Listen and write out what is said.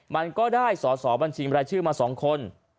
มันก็ได้สอสอบัญชีบรายชื่อมา๒คน